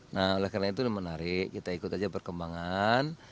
nah oleh karena itu menarik kita ikut aja perkembangan